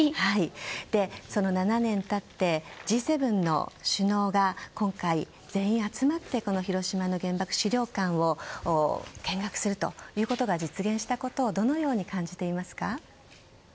７年経ってＧ７の首脳が今回、全員集まってこの広島の原爆資料館を見学するということが実現したことをどのように感じていますか。